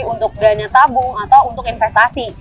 untuk dana tabung atau untuk investasi